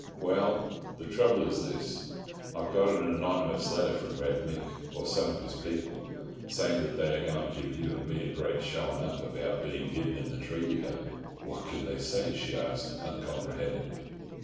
"Well, the trouble is this: I've got an anonymous letter from Red Mick or some of his people, saying that they are going to give you and me a great showing up about being hidden in the tree together." "What can they say?" she asked, uncomprehendingly.